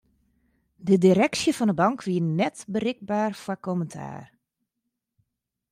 De direksje fan 'e bank wie net berikber foar kommentaar.